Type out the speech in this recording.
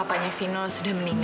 papanya vino sudah meninggal